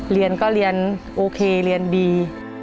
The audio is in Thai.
เรียนก็เรียนโอเคเรียนดี